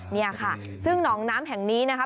นี่ค่ะซึ่งหนองน้ำแห่งนี้นะคะ